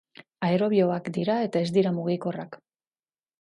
Aerobioak dira eta ez dira mugikorrak.